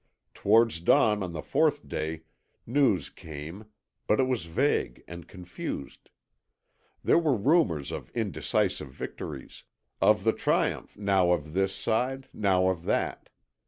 Towards dawn on the fourth day news came, but it was vague and confused. There were rumours of indecisive victories; of the triumph now of this side, now of that.